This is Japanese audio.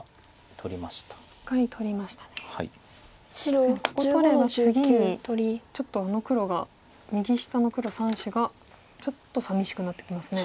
確かにここ取れば次にちょっとあの黒が右下の黒３子がちょっとさみしくなってきますね。